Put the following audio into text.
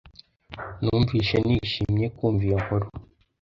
Numvise nishimye kumva iyo nkuru